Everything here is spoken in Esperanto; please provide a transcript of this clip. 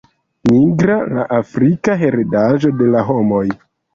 Nigra, la afrika heredaĵo de la homoj.